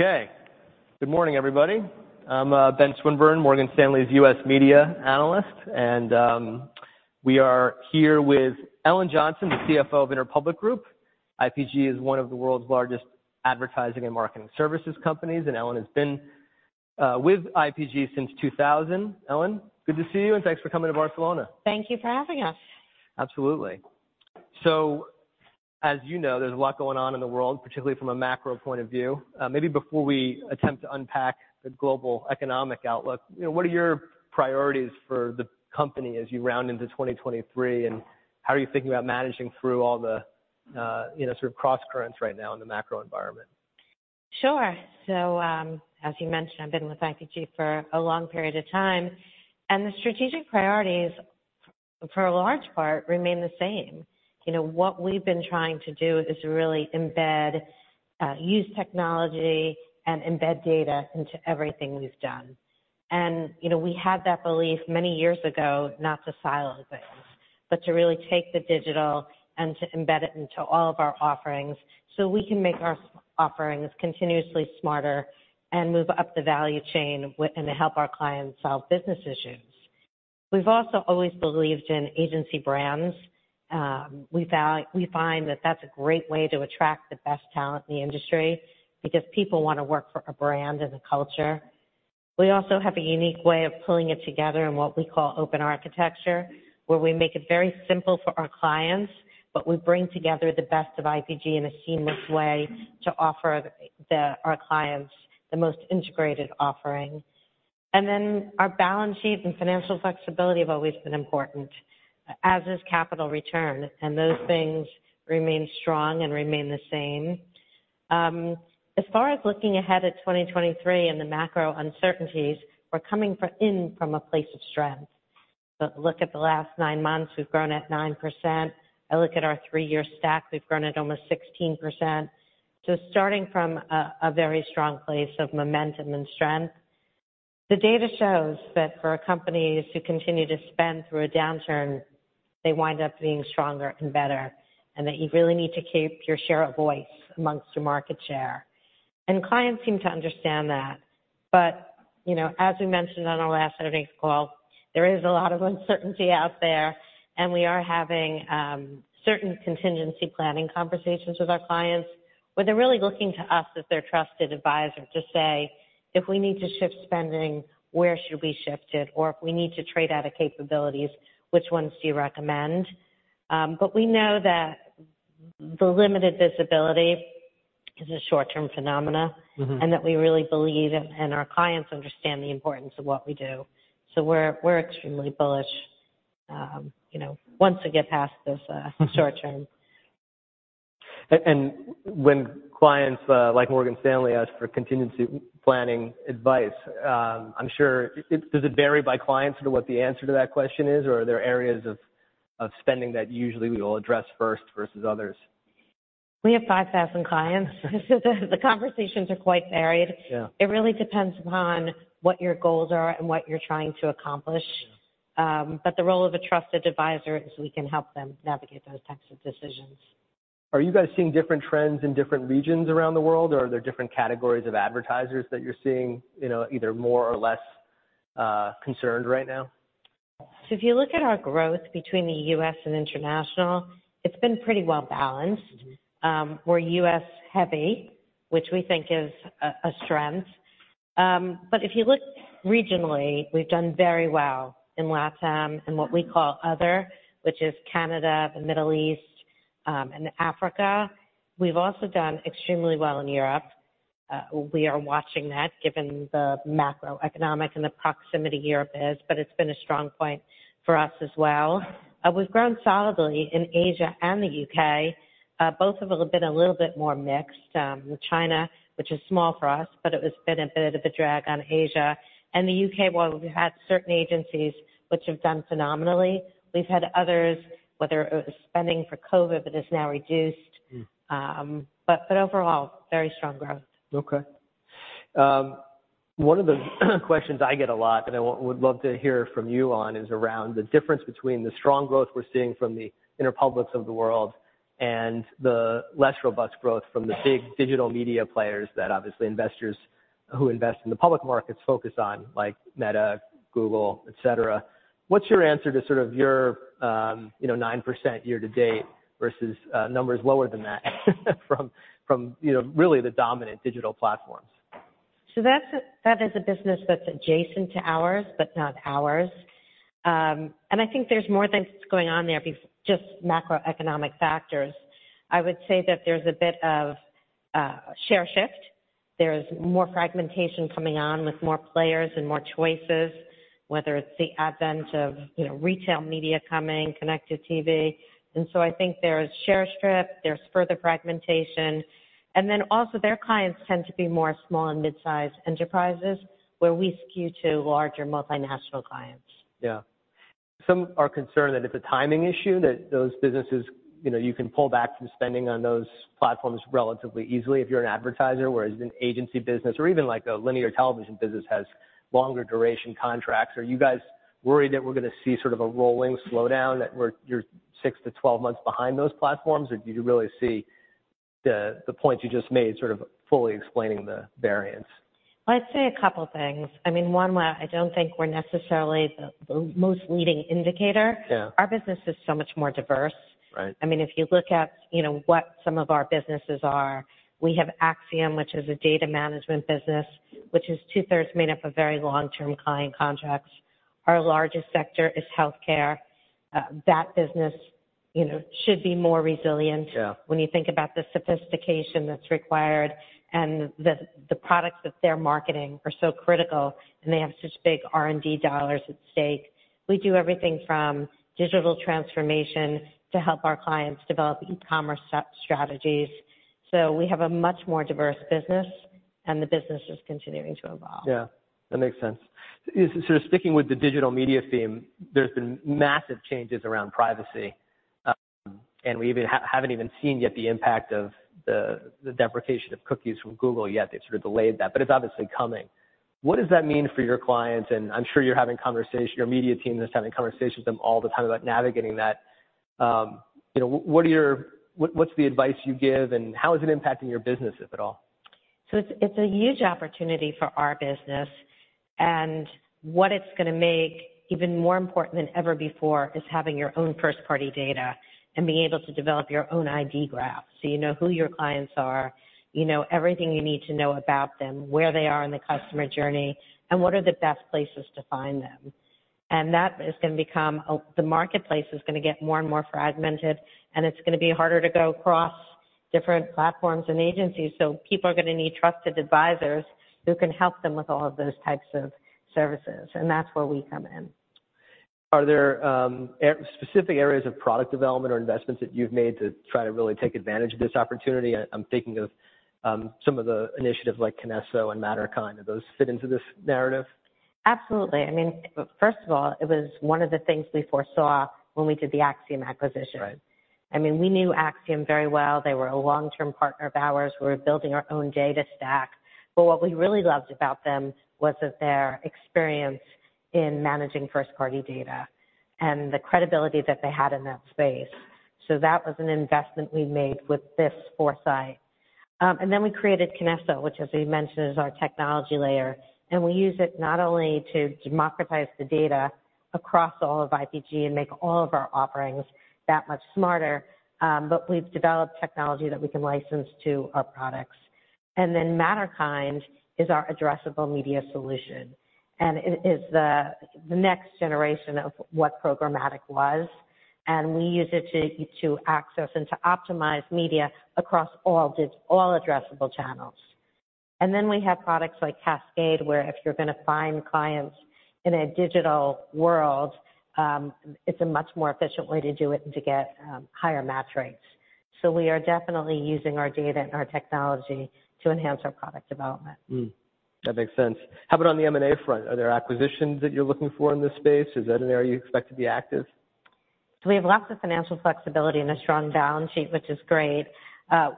Okay. Good morning, everybody. I'm Ben Swinburne, Morgan Stanley's U.S. Media Analyst, and we are here with Ellen Johnson, the CFO of Interpublic Group. IPG is one of the world's largest advertising and marketing services companies, and Ellen has been with IPG since 2000. Ellen, good to see you, and thanks for coming to Barcelona. Thank you for having us. Absolutely. So, as you know, there's a lot going on in the world, particularly from a macro point of view. Maybe before we attempt to unpack the global economic outlook, you know, what are your priorities for the company as you round into 2023, and how are you thinking about managing through all the, you know, sort of cross-currents right now in the macro environment? Sure. So, as you mentioned, I've been with IPG for a long period of time, and the strategic priorities, for a large part, remain the same. You know, what we've been trying to do is really embed, use technology and embed data into everything we've done. And, you know, we had that belief many years ago not to silo things, but to really take the digital and to embed it into all of our offerings so we can make our offerings continuously smarter and move up the value chain and help our clients solve business issues. We've also always believed in agency brands. We find that that's a great way to attract the best talent in the industry because people wanna work for a brand and a culture. We also have a unique way of pulling it together in what we call open architecture, where we make it very simple for our clients, but we bring together the best of IPG in a seamless way to offer our clients the most integrated offering, and then our balance sheet and financial flexibility have always been important, as has capital return, and those things remain strong and remain the same. As far as looking ahead at 2023 and the macro uncertainties, we're coming in from a place of strength, but look at the last nine months, we've grown at 9%. I look at our three-year stack, we've grown at almost 16%. Starting from a very strong place of momentum and strength, the data shows that for companies who continue to spend through a downturn, they wind up being stronger and better, and that you really need to keep your share of voice amongst your market share. Clients seem to understand that. But you know, as we mentioned on our last earnings call, there is a lot of uncertainty out there, and we are having certain contingency planning conversations with our clients where they're really looking to us as their trusted advisor to say, "If we need to shift spending, where should we shift it?" or "If we need to trade out of capabilities, which ones do you recommend?" but we know that the limited visibility is a short-term phenomenon. Mm-hmm. And that we really believe our clients understand the importance of what we do. So we're extremely bullish, you know, once we get past this, Mm-hmm. Short term. And when clients, like Morgan Stanley, ask for contingency planning advice, I'm sure it does vary by client sort of what the answer to that question is, or are there areas of spending that usually we will address first versus others? We have 5,000 clients. The conversations are quite varied. Yeah. It really depends upon what your goals are and what you're trying to accomplish. Yeah. But the role of a trusted advisor is we can help them navigate those types of decisions. Are you guys seeing different trends in different regions around the world, or are there different categories of advertisers that you're seeing, you know, either more or less, concerned right now? So if you look at our growth between the U.S. and international, it's been pretty well balanced. Mm-hmm. We're U.S.-heavy, which we think is a strength, but if you look regionally, we've done very well in LATAM and what we call other, which is Canada, the Middle East, and Africa. We've also done extremely well in Europe. We are watching that given the macroeconomic and the proximity Europe is, but it's been a strong point for us as well. We've grown solidly in Asia and the U.K. Both of them have been a little bit more mixed. China, which is small for us, but it has been a bit of a drag on Asia, and the U.K., while we've had certain agencies which have done phenomenally, we've had others, whether it was spending for COVID, but it's now reduced. Mm-hmm. But overall, very strong growth. Okay. One of the questions I get a lot, and I would love to hear from you on, is around the difference between the strong growth we're seeing from the Interpublics of the world and the less robust growth from the big digital media players that obviously investors who invest in the public markets focus on, like Meta, Google, etc. What's your answer to sort of your, you know, 9% year to date versus, numbers lower than that from, you know, really the dominant digital platforms? So that's a business that's adjacent to ours, but not ours. And I think there's more things going on there beyond just macroeconomic factors. I would say that there's a bit of share shift. There's more fragmentation coming on with more players and more choices, whether it's the advent of, you know, retail media coming, connected TV. And so I think there's share shift, there's further fragmentation. And then also their clients tend to be more small and mid-sized enterprises where we skew to larger multinational clients. Yeah. Some are concerned that it's a timing issue that those businesses, you know, you can pull back from spending on those platforms relatively easily if you're an advertiser, whereas an agency business or even like a linear television business has longer duration contracts. Are you guys worried that we're gonna see sort of a rolling slowdown that you're 6-12 months behind those platforms, or do you really see the points you just made sort of fully explaining the variance? I'd say a couple things. I mean, one where I don't think we're necessarily the most leading indicator. Yeah. Our business is so much more diverse. Right. I mean, if you look at, you know, what some of our businesses are, we have Acxiom, which is a data management business, which is two-thirds made up of very long-term client contracts. Our largest sector is healthcare. That business, you know, should be more resilient. Yeah. When you think about the sophistication that's required and the products that they're marketing are so critical and they have such big R&D dollars at stake. We do everything from digital transformation to help our clients develop e-commerce strategies. So we have a much more diverse business, and the business is continuing to evolve. Yeah. That makes sense. It's sort of sticking with the digital media theme. There's been massive changes around privacy, and we haven't even seen yet the impact of the deprecation of cookies from Google yet. They've sort of delayed that, but it's obviously coming. What does that mean for your clients? And I'm sure you're having conversation your media team is having conversations with them all the time about navigating that, you know, what are your what's the advice you give, and how is it impacting your business, if at all? It's a huge opportunity for our business, and what it's gonna make even more important than ever before is having your own first-party data and being able to develop your own ID graph so you know who your clients are, you know, everything you need to know about them, where they are in the customer journey, and what are the best places to find them. The marketplace is gonna get more and more fragmented, and it's gonna be harder to go across different platforms and agencies. People are gonna need trusted advisors who can help them with all of those types of services, and that's where we come in. Are there specific areas of product development or investments that you've made to try to really take advantage of this opportunity? I'm thinking of some of the initiatives like KINESSO and Matterkind. Do those fit into this narrative? Absolutely. I mean, first of all, it was one of the things we foresaw when we did the Acxiom acquisition. Right. I mean, we knew Acxiom very well. They were a long-term partner of ours. We were building our own data stack. But what we really loved about them was their experience in managing first-party data and the credibility that they had in that space. So that was an investment we made with this foresight. And then we created KINESSO, which, as we mentioned, is our technology layer. And we use it not only to democratize the data across all of IPG and make all of our offerings that much smarter, but we've developed technology that we can license to our products. And then Matterkind is our addressable media solution, and it is the next generation of what programmatic was. And we use it to access and to optimize media across all addressable channels. And then we have products like Cascade, where if you're gonna find clients in a digital world, it's a much more efficient way to do it and to get higher match rates. So we are definitely using our data and our technology to enhance our product development. That makes sense. How about on the M&A front? Are there acquisitions that you're looking for in this space? Is that an area you expect to be active? We have lots of financial flexibility and a strong balance sheet, which is great.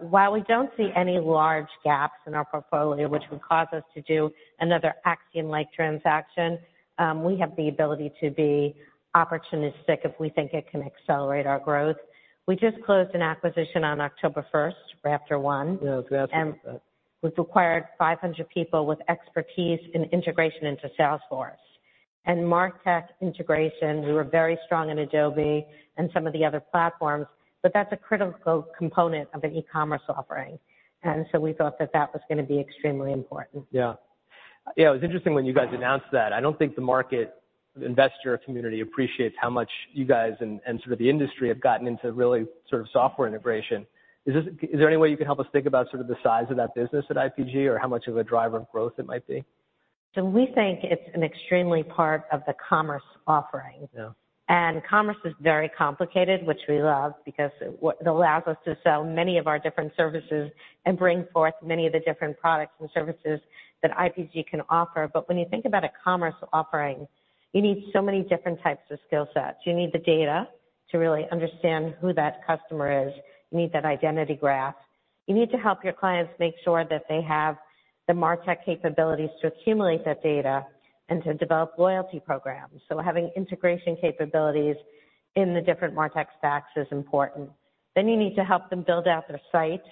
While we don't see any large gaps in our portfolio, which would cause us to do another Acxiom-like transaction, we have the ability to be opportunistic if we think it can accelerate our growth. We just closed an acquisition on October 1st, RafterOne. Yeah. That's fantastic. We've acquired 500 people with expertise in integration into Salesforce and MarTech integration. We were very strong in Adobe and some of the other platforms, but that's a critical component of an e-commerce offering. So we thought that that was gonna be extremely important. Yeah. Yeah. It was interesting when you guys announced that. I don't think the market investor community appreciates how much you guys and sort of the industry have gotten into really sort of software integration. Is there any way you can help us think about sort of the size of that business at IPG or how much of a driver of growth it might be? So, we think it's an extremely part of the commerce offering. Yeah. And commerce is very complicated, which we love because it allows us to sell many of our different services and bring forth many of the different products and services that IPG can offer. But when you think about a commerce offering, you need so many different types of skill sets. You need the data to really understand who that customer is. You need that identity graph. You need to help your clients make sure that they have the MarTech capabilities to accumulate that data and to develop loyalty programs. So having integration capabilities in the different MarTech stacks is important. Then you need to help them build out their site,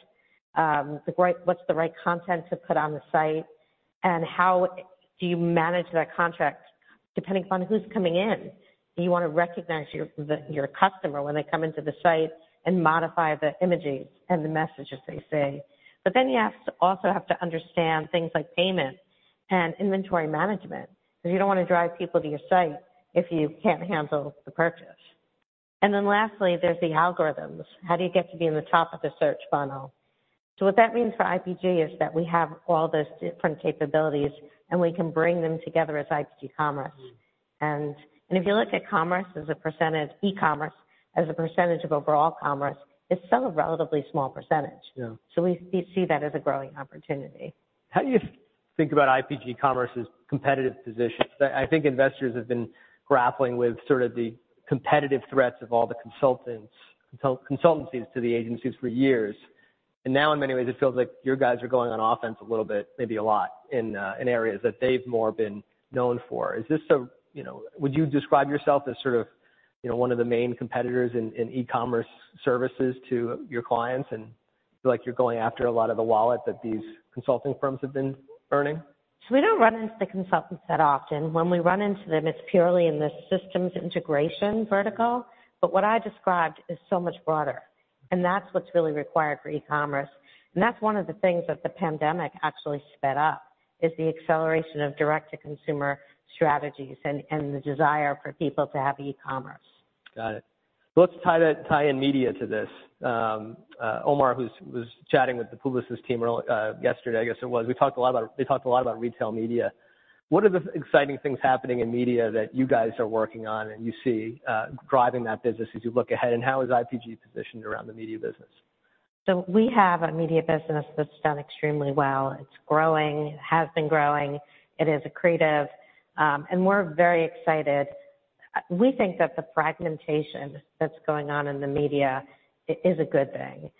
the right content to put on the site, and how do you manage that content depending upon who's coming in. You wanna recognize your customer when they come into the site and modify the images and the messages they see. But then you also have to understand things like payment and inventory management 'cause you don't wanna drive people to your site if you can't handle the purchase. And then lastly, there's the algorithms. How do you get to be in the top of the search funnel? So what that means for IPG is that we have all those different capabilities, and we can bring them together as IPG Commerce. And if you look at e-commerce as a percentage of overall commerce, it's still a relatively small percentage. Yeah. We see that as a growing opportunity. How do you think about IPG Commerce's competitive position? I think investors have been grappling with sort of the competitive threats of all the consultants consultancies to the agencies for years. And now, in many ways, it feels like your guys are going on offense a little bit, maybe a lot, in areas that they've more been known for. Is this a, you know would you describe yourself as sort of, you know, one of the main competitors in e-commerce services to your clients and feel like you're going after a lot of the wallet that these consulting firms have been earning? So we don't run into the consultants that often. When we run into them, it's purely in the systems integration vertical. But what I described is so much broader, and that's what's really required for e-commerce. And that's one of the things that the pandemic actually sped up is the acceleration of direct-to-consumer strategies and, and the desire for people to have e-commerce. Got it. Let's tie that tie in media to this. Omar, who's chatting with the Publicis team earlier yesterday, I guess it was. We talked a lot about retail media. What are the exciting things happening in media that you guys are working on and you see driving that business as you look ahead, and how is IPG positioned around the media business? We have a media business that's done extremely well. It's growing. It has been growing. It is accretive, and we're very excited. We think that the fragmentation that's going on in the media is a good thing.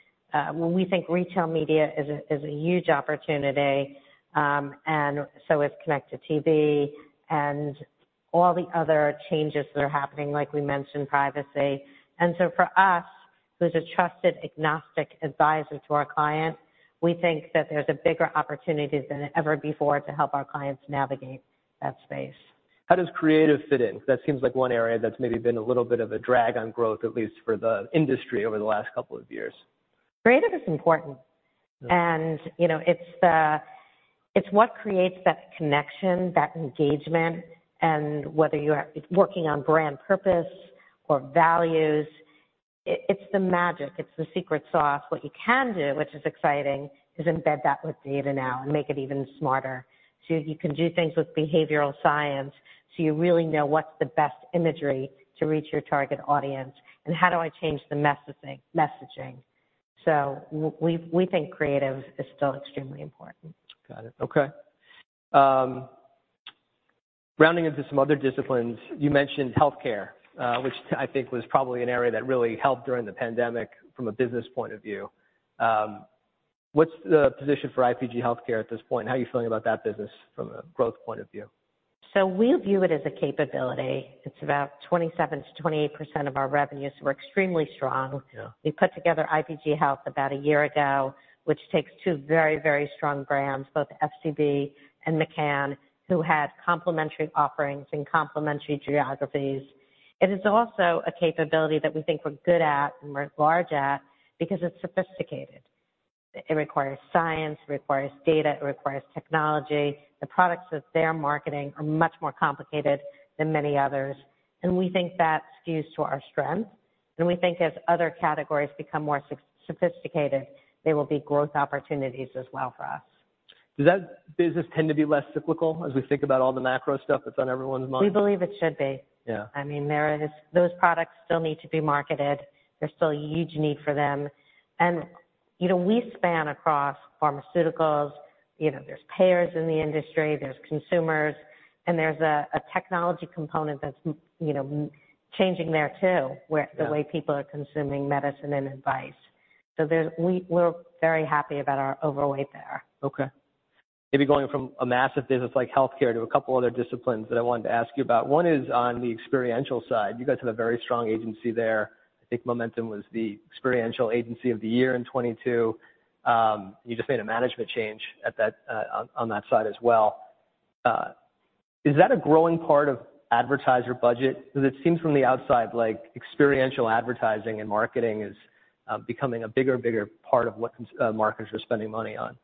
We think retail media is a huge opportunity, and so is connected TV and all the other changes that are happening, like we mentioned, privacy. For us, who's a trusted agnostic advisor to our client, we think that there's a bigger opportunity than ever before to help our clients navigate that space. How does creative fit in, 'cause that seems like one area that's maybe been a little bit of a drag on growth, at least for the industry over the last couple of years? Creative is important. Yeah. You know, it's what creates that connection, that engagement, and whether you're working on brand purpose or values. It's the magic. It's the secret sauce. What you can do, which is exciting, is embed that with data now and make it even smarter, so you can do things with behavioral science so you really know what's the best imagery to reach your target audience and how do I change the messaging. So we think creative is still extremely important. Got it. Okay. Rounding into some other disciplines, you mentioned healthcare, which I think was probably an area that really helped during the pandemic from a business point of view. What's the position for IPG Health at this point? How are you feeling about that business from a growth point of view? So we view it as a capability. It's about 27%-28% of our revenue, so we're extremely strong. Yeah. We put together IPG Health about a year ago, which takes two very, very strong brands, both FCB and McCann, who had complementary offerings and complementary geographies. It is also a capability that we think we're good at and we're large at because it's sophisticated. It requires science. It requires data. It requires technology. The products that they're marketing are much more complicated than many others. And we think that skews to our strength. And we think as other categories become more sophisticated, there will be growth opportunities as well for us. Does that business tend to be less cyclical as we think about all the macro stuff that's on everyone's mind? We believe it should be. Yeah. I mean, there is those products still need to be marketed. There's still a huge need for them. And, you know, we span across pharmaceuticals. You know, there's payers in the industry. There's consumers. And there's a technology component that's, you know, changing there too where. Yeah. The way people are consuming media and advice. So we're very happy about our overweight there. Okay. Maybe going from a massive business like healthcare to a couple other disciplines that I wanted to ask you about. One is on the experiential side. You guys have a very strong agency there. I think Momentum was the experiential agency of the year in 2022. You just made a management change at that, on, on that side as well. Is that a growing part of advertiser budget? 'Cause it seems from the outside, like, experiential advertising and marketing is becoming a bigger, bigger part of what consumer marketers are spending money on.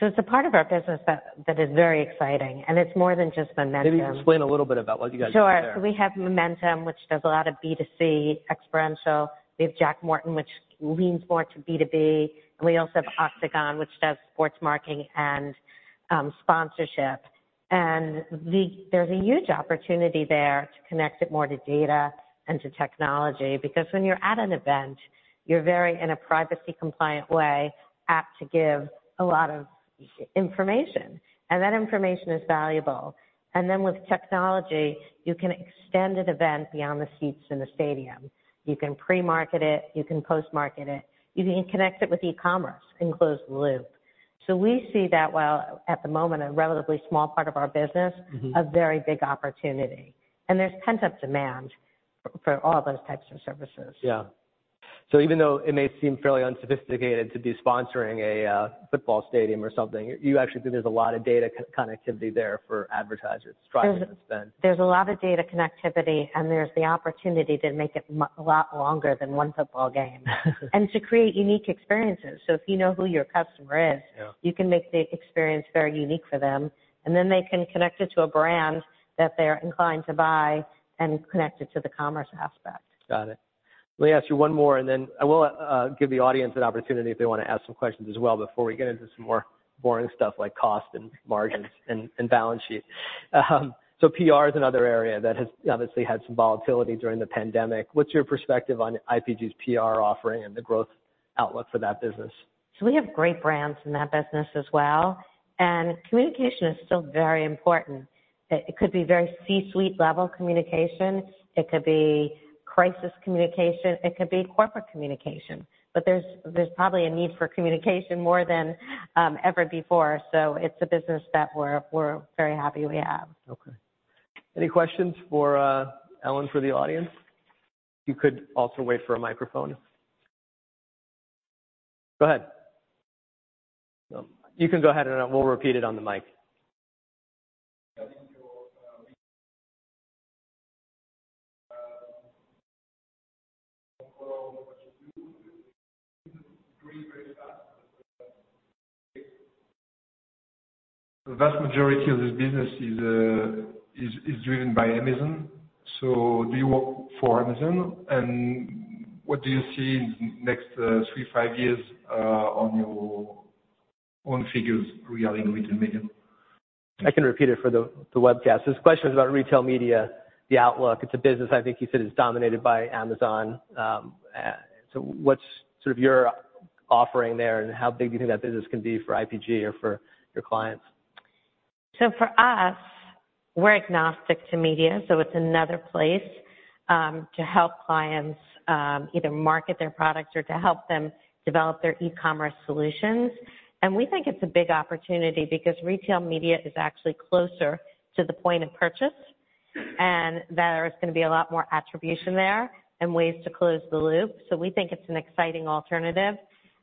So it's a part of our business that is very exciting, and it's more than just Momentum. Maybe explain a little bit about what you guys are doing there. Sure. So we have Momentum, which does a lot of B2C experiential. We have Jack Morton, which leans more to B2B. And we also have Octagon, which does sports marketing and sponsorship. And there's a huge opportunity there to connect it more to data and to technology because when you're at an event, you're very, in a privacy-compliant way, apt to give a lot of information, and that information is valuable. And then with technology, you can extend an event beyond the seats in the stadium. You can pre-market it. You can post-market it. You can connect it with e-commerce and close the loop. So we see that while at the moment a relatively small part of our business. Mm-hmm. A very big opportunity. And there's pent-up demand for all those types of services. Yeah, so even though it may seem fairly unsophisticated to be sponsoring a football stadium or something, you actually think there's a lot of data connectivity there for advertisers to drive spend. There's a lot of data connectivity, and there's the opportunity to make it a lot longer than one football game and to create unique experiences. So if you know who your customer is. Yeah. You can make the experience very unique for them, and then they can connect it to a brand that they're inclined to buy and connect it to the commerce aspect. Got it. Let me ask you one more, and then I will give the audience an opportunity if they wanna ask some questions as well before we get into some more boring stuff like cost and margins and balance sheet. So PR is another area that has obviously had some volatility during the pandemic. What's your perspective on IPG's PR offering and the growth outlook for that business? So we have great brands in that business as well. And communication is still very important. It could be very C-suite-level communication. It could be crisis communication. It could be corporate communication. But there's probably a need for communication more than ever before. So it's a business that we're very happy we have. Okay. Any questions for Ellen for the audience? You could also wait for a microphone. Go ahead. You can go ahead, and we'll repeat it on the mic. The vast majority of this business is driven by Amazon. So do you work for Amazon? And what do you see in the next three, five years, on your own figures regarding retail media? I can repeat it for the webcast. This question is about retail media, the outlook. It's a business, I think you said, is dominated by Amazon. So what's sort of your offering there and how big do you think that business can be for IPG or for your clients? So for us, we're agnostic to media, so it's another place to help clients either market their products or to help them develop their e-commerce solutions, and we think it's a big opportunity because retail media is actually closer to the point of purchase, and there is gonna be a lot more attribution there and ways to close the loop, so we think it's an exciting alternative,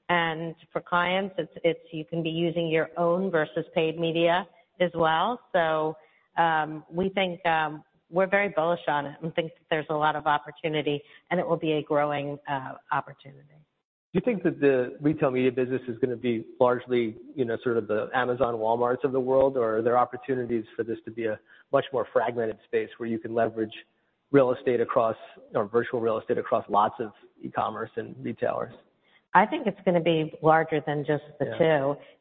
and for clients, it's you can be using your own versus paid media as well, so we think we're very bullish on it and think that there's a lot of opportunity, and it will be a growing opportunity. Do you think that the retail media business is gonna be largely, you know, sort of the Amazon Walmarts of the world, or are there opportunities for this to be a much more fragmented space where you can leverage real estate across or virtual real estate across lots of e-commerce and retailers? I think it's gonna be larger than just the two.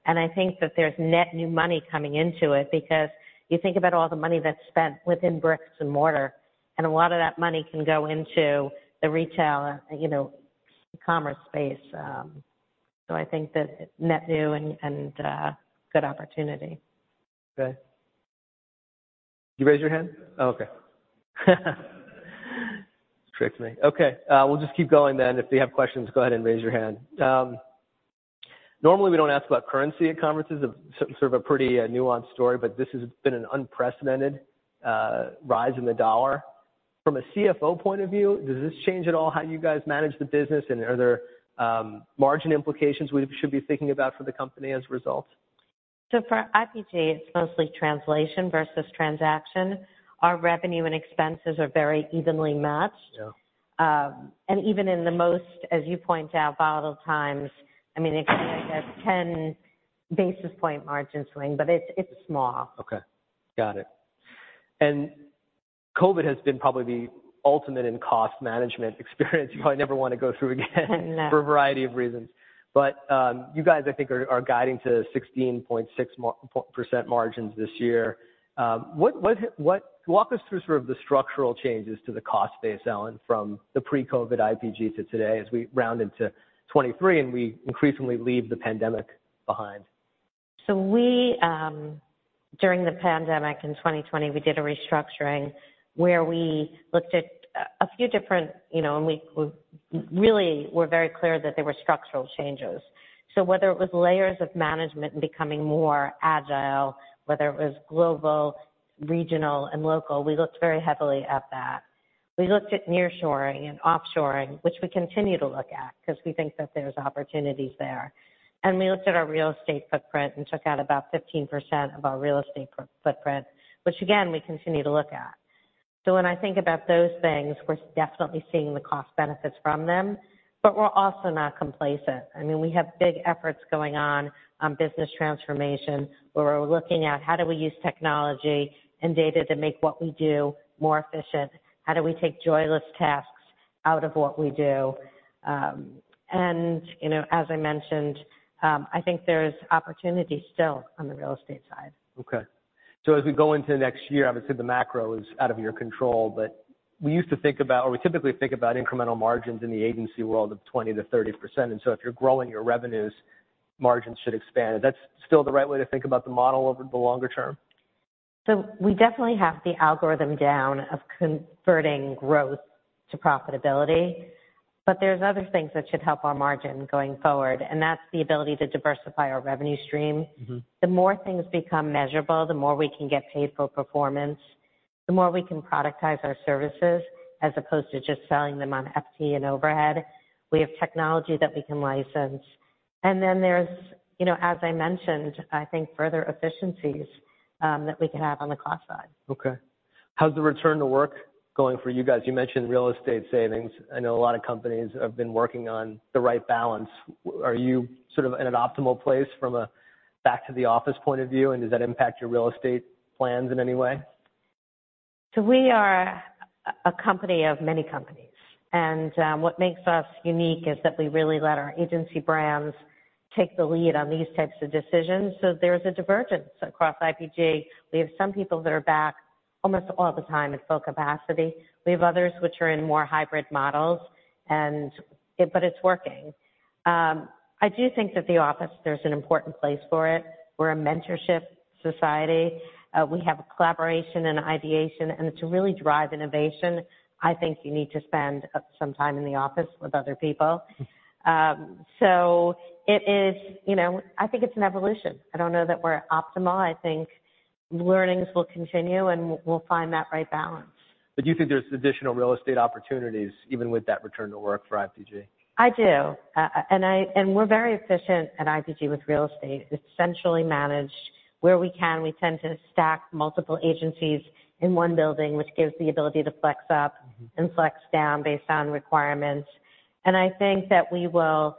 Yeah. I think that there's net new money coming into it because you think about all the money that's spent within bricks and mortar, and a lot of that money can go into the retail, you know, e-commerce space, so I think that net new and good opportunity. Okay. Did you raise your hand? Oh, okay. Tricked me. Okay. We'll just keep going then. If they have questions, go ahead and raise your hand. Normally, we don't ask about currency at conferences. It's sort of a pretty nuanced story, but this has been an unprecedented rise in the dollar. From a CFO point of view, does this change at all how you guys manage the business, and are there margin implications we should be thinking about for the company as a result? So for IPG, it's mostly translation versus transaction. Our revenue and expenses are very evenly matched. Yeah. and even in the most, as you point out, volatile times, I mean, it can be like a 10 basis point margin swing, but it's small. Okay. Got it, and COVID has been probably the ultimate in cost management experience. You probably never wanna go through again. No. For a variety of reasons. But, you guys, I think, are guiding to 16.6% margins this year. Walk us through sort of the structural changes to the cost base, Ellen, from the pre-COVID IPG to today as we round into 2023 and we increasingly leave the pandemic behind? So, during the pandemic in 2020, we did a restructuring where we looked at a few different, you know, and we really were very clear that there were structural changes. So whether it was layers of management becoming more agile, whether it was global, regional, and local, we looked very heavily at that. We looked at nearshoring and offshoring, which we continue to look at 'cause we think that there's opportunities there. And we looked at our real estate footprint and took out about 15% of our real estate footprint, which, again, we continue to look at. So when I think about those things, we're definitely seeing the cost benefits from them, but we're also not complacent. I mean, we have big efforts going on business transformation where we're looking at how do we use technology and data to make what we do more efficient? How do we take joyless tasks out of what we do? And, you know, as I mentioned, I think there's opportunity still on he real estate side. Okay. So as we go into next year, obviously, the macro is out of your control, but we used to think about, or we typically think about incremental margins in the agency world of 20%-30%. And so if you're growing your revenues, margins should expand. Is that still the right way to think about the model over the longer term? So we definitely have the algorithm down of converting growth to profitability, but there's other things that should help our margin going forward, and that's the ability to diversify our revenue stream. Mm-hmm. The more things become measurable, the more we can get paid for performance, the more we can productize our services as opposed to just selling them on FTE and overhead. We have technology that we can license. And then there's, you know, as I mentioned, I think further efficiencies, that we can have on the cost side. Okay. How's the return to work going for you guys? You mentioned real estate savings. I know a lot of companies have been working on the right balance. Are you sort of in an optimal place from a back-to-the-office point of view, and does that impact your real estate plans in any way? So we are a company of many companies. And what makes us unique is that we really let our agency brands take the lead on these types of decisions. So there's a divergence across IPG. We have some people that are back almost all the time at full capacity. We have others which are in more hybrid models, but it's working. I do think that the office, there's an important place for it. We're a mentorship society. We have collaboration and ideation, and to really drive innovation, I think you need to spend some time in the office with other people. Mm-hmm. So it is, you know, I think it's an evolution. I don't know that we're optimal. I think learnings will continue, and we'll find that right balance. But do you think there's additional real estate opportunities even with that return to work for IPG? I do, and we're very efficient at IPG with real estate. It's centrally managed. Where we can, we tend to stack multiple agencies in one building, which gives the ability to flex up. Mm-hmm. And flex down based on requirements. And I think that we will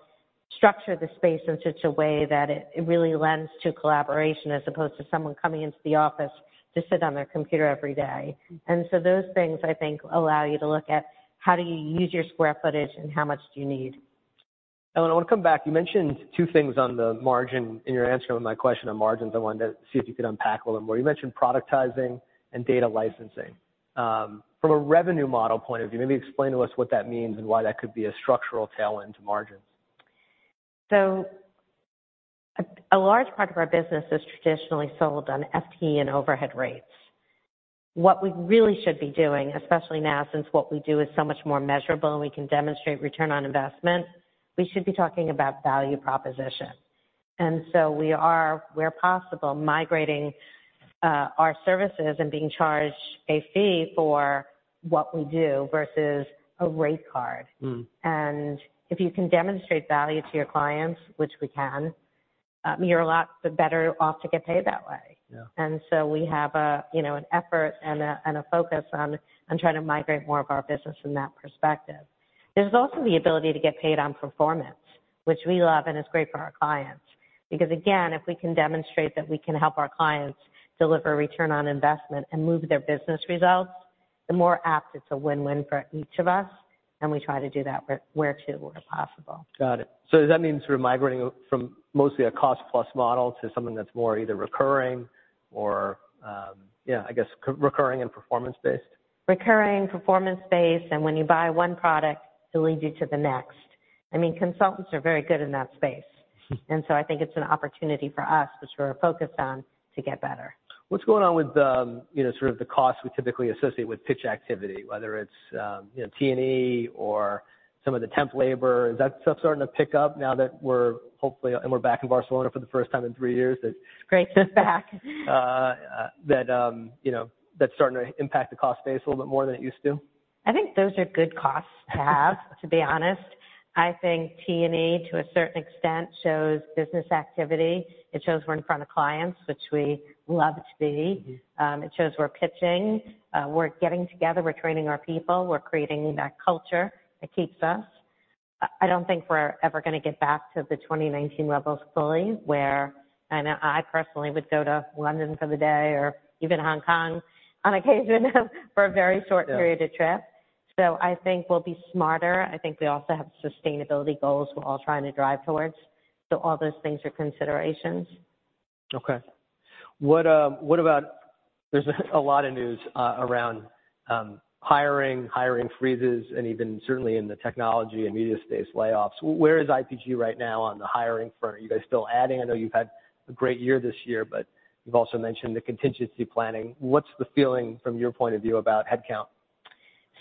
structure the space in such a way that it really lends to collaboration as opposed to someone coming into the office to sit on their computer every day. Mm-hmm. Those things, I think, allow you to look at how do you use your square footage and how much do you need. Ellen, I wanna come back. You mentioned two things on the margin in your answer to my question on margins. I wanted to see if you could unpack a little more. You mentioned productizing and data licensing. From a revenue model point of view, maybe explain to us what that means and why that could be a structural tailwind to margins. A large part of our business is traditionally sold on FTE and overhead rates. What we really should be doing, especially now since what we do is so much more measurable and we can demonstrate return on investment, we should be talking about value proposition. We are, where possible, migrating our services and being charged a fee for what we do versus a rate card. Mm-hmm. If you can demonstrate value to your clients, which we can, you're a lot better off to get paid that way. Yeah. And so we have, you know, an effort and a focus on trying to migrate more of our business from that perspective. There's also the ability to get paid on performance, which we love, and it's great for our clients because, again, if we can demonstrate that we can help our clients deliver return on investment and move their business results, the more apt it's a win-win for each of us. And we try to do that wherever possible. Got it. So does that mean sort of migrating from mostly a cost-plus model to something that's more either recurring or, yeah, I guess, recurring and performance-based? Recurring, performance-based, and when you buy one product, it'll lead you to the next. I mean, consultants are very good in that space. Mm-hmm. And so I think it's an opportunity for us, which we're focused on, to get better. What's going on with, you know, sort of the costs we typically associate with pitch activity, whether it's, you know, T&E or some of the temp labor? Is that stuff starting to pick up now that we're hopefully and we're back in Barcelona for the first time in three years that? It's great to be back. that, you know, that's starting to impact the cost base a little bit more than it used to? I think those are good costs to have, to be honest. I think T&E, to a certain extent, shows business activity. It shows we're in front of clients, which we love to be. Mm-hmm. It shows we're pitching. We're getting together. We're training our people. We're creating that culture that keeps us. I don't think we're ever gonna get back to the 2019 levels fully where, I know I personally would go to London for the day or even Hong Kong on occasion for a very short period of trip. Yeah. So I think we'll be smarter. I think we also have sustainability goals we're all trying to drive towards. So all those things are considerations. Okay. What about there's a lot of news around hiring freezes, and even certainly in the technology and media space layoffs. Where is IPG right now on the hiring front? Are you guys still adding? I know you've had a great year this year, but you've also mentioned the contingency planning. What's the feeling from your point of view about headcount?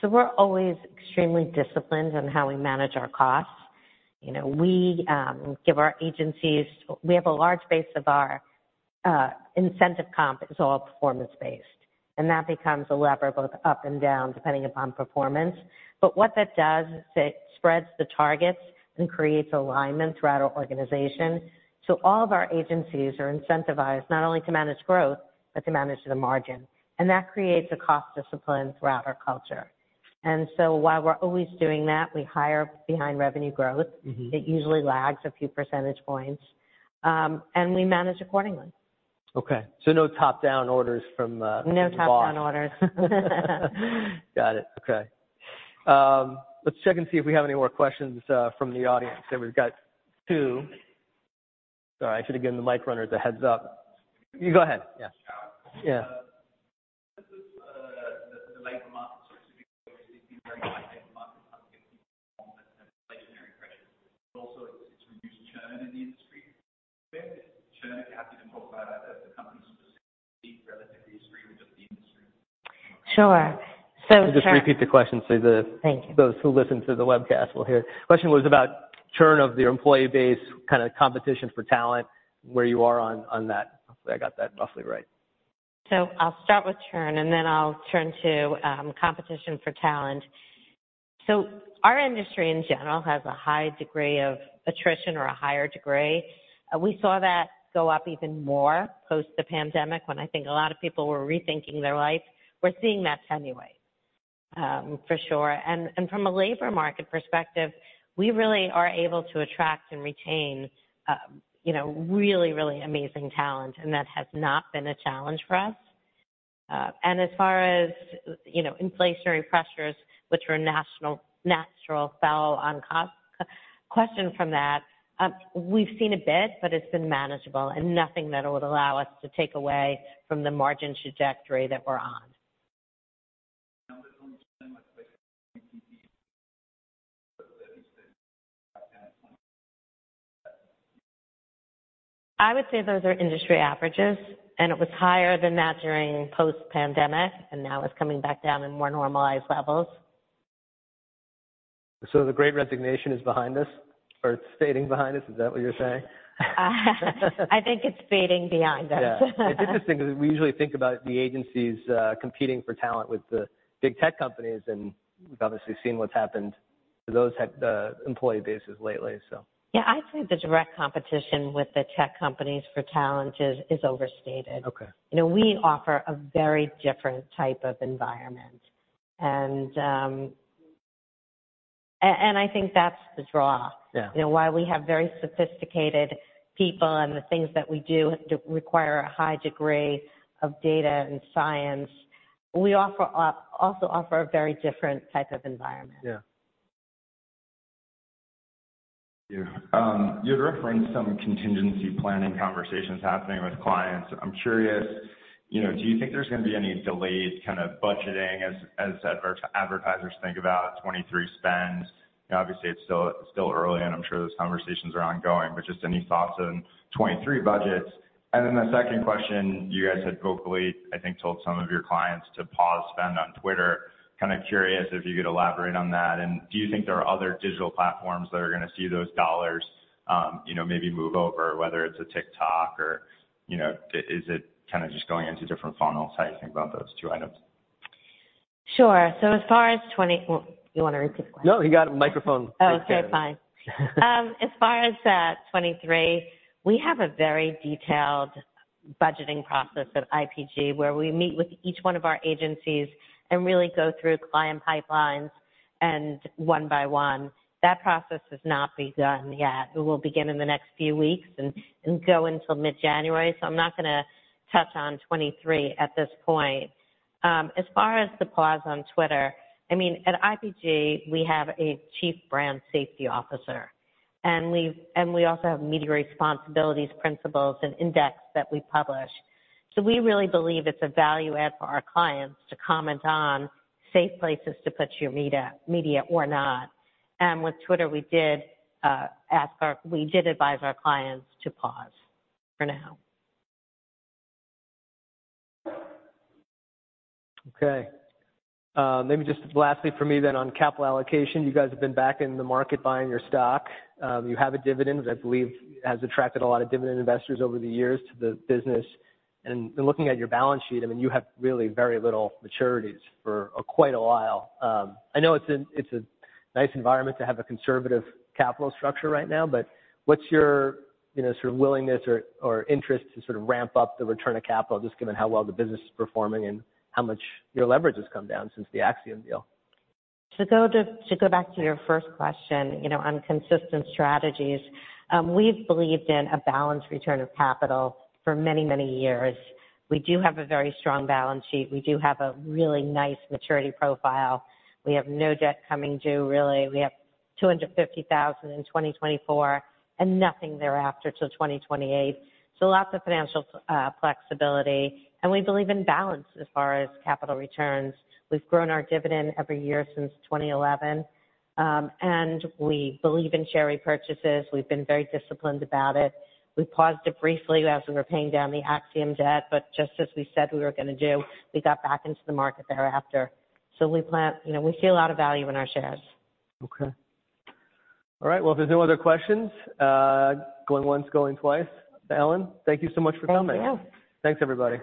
So we're always extremely disciplined in how we manage our costs. You know, we give our agencies. We have a large base of our incentive comp is all performance-based, and that becomes a lever both up and down depending upon performance. But what that does is it spreads the targets and creates alignment throughout our organization. So all of our agencies are incentivized not only to manage growth but to manage the margin. And that creates a cost discipline throughout our culture. And so while we're always doing that, we hire behind revenue growth. Mm-hmm. It usually lags a few percentage points and we manage accordingly. Okay. So no top-down orders from the boss. No top-down orders. Got it. Okay. Let's check and see if we have any more questions from the audience. And we've got two. Sorry. I should have given the mic runners a heads-up. You go ahead. Yeah. Yeah. This is the labor market specifically, which has been very tight labor markets on that, that's inflationary pressure. Also, it's reduced churn in the industry. Where's the churn? If you're happy to talk about that, the company specifically relatively is in line with the industry. Sure. So the. So just repeat the question so the. Thank you. Those who listen to the webcast will hear it. Question was about churn of the employee base, kinda competition for talent, where you are on that. Hopefully, I got that roughly right. I'll start with churn, and then I'll turn to competition for talent. Our industry in general has a high degree of attrition or a higher degree. We saw that go up even more post the pandemic when I think a lot of people were rethinking their life. We're seeing that trend, for sure. And from a labor market perspective, we really are able to attract and retain, you know, really, really amazing talent, and that has not been a challenge for us. And as far as, you know, inflationary pressures, which are a natural follow-on cost question from that, we've seen a bit, but it's been manageable and nothing that would allow us to take away from the margin trajectory that we're on. I would say those are industry averages, and it was higher than that during post-pandemic, and now it's coming back down to more normalized levels. So the Great Resignation is behind us or it's fading behind us? Is that what you're saying? I think it's fading behind us. Yeah. It's interesting 'cause we usually think about the agencies competing for talent with the big tech companies, and we've obviously seen what's happened to those tech employee bases lately, so. Yeah. I'd say the direct competition with the tech companies for talent is overstated. Okay. You know, we offer a very different type of environment. And, I think that's the draw. Yeah. You know, why we have very sophisticated people and the things that we do that require a high degree of data and science. We also offer a very different type of environment. Yeah. Yeah. You had referenced some contingency planning conversations happening with clients. I'm curious, you know, do you think there's gonna be any delayed kind of budgeting as advertisers think about 2023 spend? You know, obviously, it's still early, and I'm sure those conversations are ongoing, but just any thoughts on 2023 budgets? And then the second question, you guys had vocally, I think, told some of your clients to pause spend on Twitter. Kinda curious if you could elaborate on that. And do you think there are other digital platforms that are gonna see those dollars, you know, maybe move over, whether it's a TikTok or, you know, is it kinda just going into different funnels? How do you think about those two items? Sure. So as far as 2020, you wanna repeat the question? No, you got a microphone. Oh, okay. Fine. As far as 2023, we have a very detailed budgeting process at IPG where we meet with each one of our agencies and really go through client pipelines and one by one. That process has not begun yet. It will begin in the next few weeks and go until mid-January. So I'm not gonna touch on 2023 at this point. As far as the pause on Twitter, I mean, at IPG, we have a chief brand safety officer, and we also have media responsibilities principles and index that we publish. So we really believe it's a value add for our clients to comment on safe places to put your media or not. And with Twitter, we did advise our clients to pause for now. Okay. Maybe just lastly for me then on capital allocation. You guys have been back in the market buying your stock. You have a dividend, which I believe has attracted a lot of dividend investors over the years to the business. And looking at your balance sheet, I mean, you have really very little maturities for quite a while. I know it's a nice environment to have a conservative capital structure right now, but what's your, you know, sort of willingness or interest to sort of ramp up the return of capital just given how well the business is performing and how much your leverage has come down since the Acxiom deal? To go back to your first question, you know, on consistent strategies, we've believed in a balanced return of capital for many, many years. We do have a very strong balance sheet. We do have a really nice maturity profile. We have no debt coming due, really. We have $250,000 in 2024 and nothing thereafter till 2028. So lots of financial flexibility. And we believe in balance as far as capital returns. We've grown our dividend every year since 2011. And we believe in share repurchases. We've been very disciplined about it. We paused it briefly as we were paying down the Acxiom debt, but just as we said we were gonna do, we got back into the market thereafter. So, you know, we see a lot of value in our shares. Okay. All right. Well, if there's no other questions, going once, going twice to Ellen, thank you so much for coming. Thank you. Thanks, everybody.